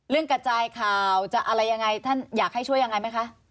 กระจายข่าวจะอะไรยังไงท่านอยากให้ช่วยยังไงไหมคะ